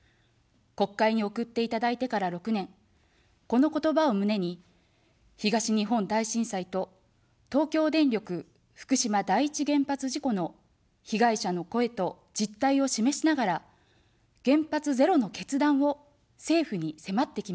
国会に送っていただいてから６年、この言葉を胸に、東日本大震災と、東京電力福島第一原発事故の被害者の声と実態を示しながら、原発ゼロの決断を政府にせまってきました。